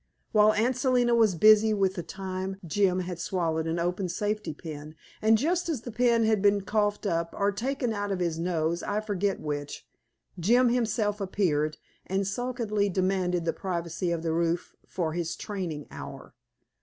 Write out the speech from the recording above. While Aunt Selina was busy with the time Jim had swallowed an open safety pin, and just as the pin had been coughed up, or taken out of his nose I forget which Jim himself appeared and sulkily demanded the privacy of the roof for his training hour.